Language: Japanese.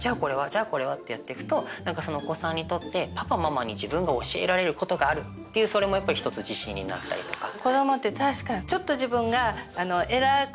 「じゃあこれは？」ってやっていくと何かそのお子さんにとってパパママに自分が教えられることがあるっていうそれもやっぱり一つ自信になったりとか。